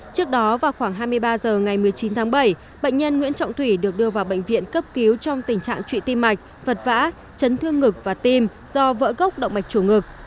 trước đó vào khoảng hai mươi ba h ngày một mươi chín tháng bảy bệnh nhân nguyễn trọng thủy được đưa vào bệnh viện cấp cứu trong tình trạng trụy tim mạch vật vã chấn thương ngực và tim do vỡ gốc động mạch chủ ngực